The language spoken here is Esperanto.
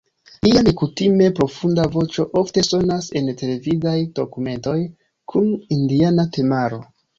Lia nekutime profunda voĉo ofte sonas en televidaj dokumentoj kun indiana temaro.